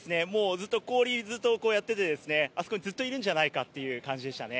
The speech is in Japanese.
ずっと氷、こうやってて、あそこにずっといるんじゃないかという感じでしたね。